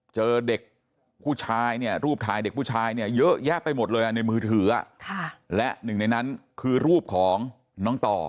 เจอเด็กผู้ชายเนี่ยรูปถ่ายเด็กผู้ชายเนี่ยเยอะแยะไปหมดเลยในมือถือและหนึ่งในนั้นคือรูปของน้องต่อ